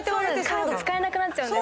カード使えなくなっちゃう。